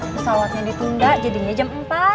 pesawatnya ditunda jadinya jam empat